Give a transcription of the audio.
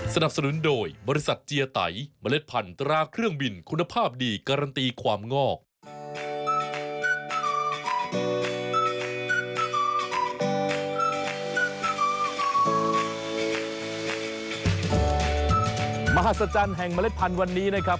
มหัศจรรย์แห่งเมล็ดพันธุ์วันนี้นะครับ